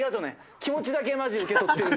気持ちだけマジ受け取ってる。